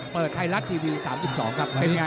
เปิดไทยรัสทีวี๓๒ครับเป็นไง